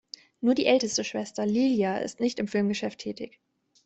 Nur die älteste Schwester Lilja ist nicht im Filmgeschäft tätig.